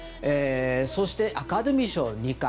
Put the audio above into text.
そしてアカデミー賞、２回。